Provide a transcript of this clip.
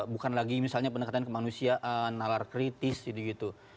bukan lagi misalnya pendekatan kemanusiaan nalar kritis gitu gitu